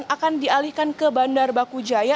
akan dialihkan ke bandar baku jaya